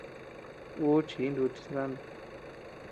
Uu chii nuutii cilantro.